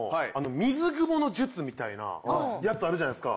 みたいなやつあるじゃないですか？